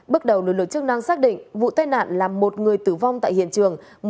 bước đầu lực lượng chức năng xác định vụ tai nạn là một người tử vong tại hiện trường